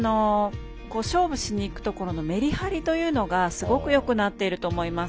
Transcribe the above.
勝負しにいくところのメリハリというのがすごくよくなっていると思います。